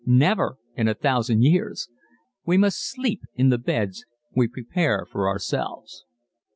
Never in a thousand years. _We must sleep in the beds we prepare for ourselves.